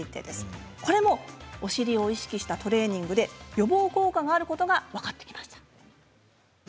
これもお尻を意識したトレーニングで予防効果があることが分かってきました。